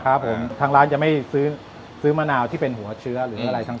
ครับผมทางร้านจะไม่ซื้อซื้อมะนาวที่เป็นหัวเชื้อหรืออะไรทั้ง